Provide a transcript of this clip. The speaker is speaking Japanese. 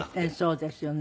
そうですよね。